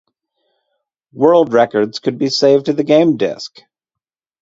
World records could be saved to the game disk.